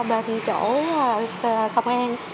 bằng chỗ công an